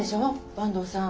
坂東さん。